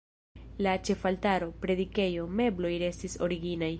La ĉefaltaro, predikejo, mebloj restis originaj.